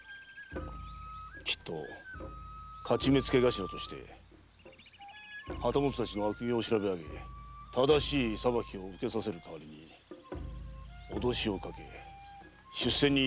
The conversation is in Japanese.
きっと徒目付頭として旗本たちの悪行を調べ上げ正しい裁きを受けさせる代わりに脅しをかけ出世に利用したのかもしれん。